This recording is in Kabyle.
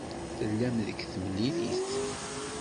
Tellam deg temlilit?